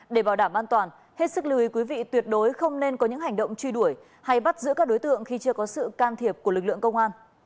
để bảo đảm an toàn hết sức lưu ý quý vị tuyệt đối không nên có những hành động truy đuổi hay bắt giữ các đối tượng khi chưa có sự can thiệp của lực lượng công an